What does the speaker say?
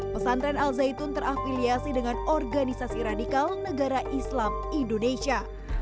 pesantren al zaitun terafiliasi dengan organisasi radikal negara islam indonesia